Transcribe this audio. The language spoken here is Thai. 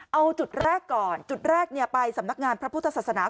เอาจุดแรกก่อนจุดแรกไปสำนักงานพระพุทธศาสนา